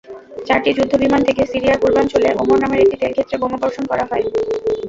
চারটি যুদ্ধবিমান থেকে সিরিয়ার পূর্বাঞ্চলে ওমর নামের একটি তেলক্ষেত্রে বোমাবর্ষণ করা হয়।